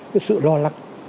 cái sự lo lắng